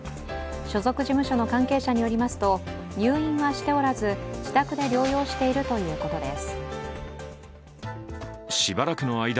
所属事務所の関係者によりますと入院はしておらず、自宅で療養しているということです。